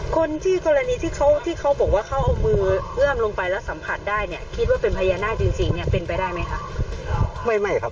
คนที่กรณีที่เขาที่เขาบอกว่าเขาเอามือเอื้อมลงไปแล้วสัมผัสได้เนี่ยคิดว่าเป็นพญานาคจริงเนี่ยเป็นไปได้ไหมคะ